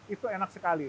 itu enak sekali